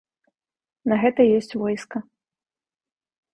На гэта ёсць войска.